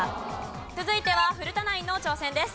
続いては古田ナインの挑戦です。